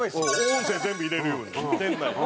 音声全部入れるように店内の。